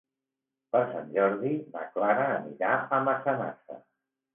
Per Sant Jordi na Clara anirà a Massanassa.